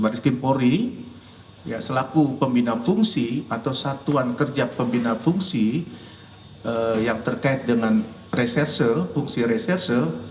baris kimpori selaku pembina fungsi atau satuan kerja pembina fungsi yang terkait dengan reserse fungsi reserse